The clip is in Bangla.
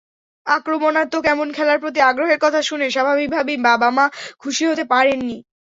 আক্রমণাত্মক এমন খেলার প্রতি আগ্রহের কথা শুনে স্বাভাবিকভাবেই বাবা-মা খুশি হতে পারেননি।